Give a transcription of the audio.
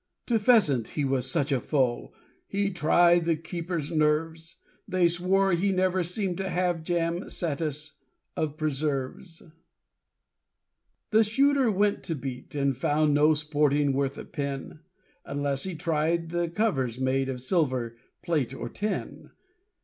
To pheasant he was such a foe, He tried the keepers' nerves; They swore he never seem'd to have Jam satis of preserves. The Shooter went to beat, and found No sporting worth a pin, Unless he tried the covers made Of silver, plate, or tin.